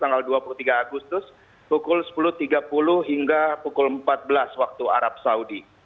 tanggal dua puluh tiga agustus pukul sepuluh tiga puluh hingga pukul empat belas waktu arab saudi